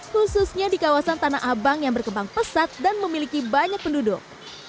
khususnya di kawasan tanah abang yang berkembang pesat dan memiliki banyak penduduk